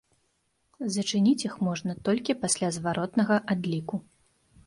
Зачыніць іх можна толькі пасля зваротнага адліку.